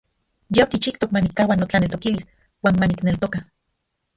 Yitikchijtok manikkaua notlaneltokilis uan manikneltoka.